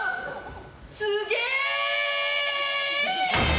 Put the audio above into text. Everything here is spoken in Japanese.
すげえ！